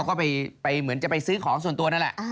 ก็ไปเหมือนจะไปซื้อของส่วนตัวนั่นแหละ